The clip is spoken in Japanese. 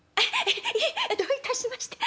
「どういたしまして。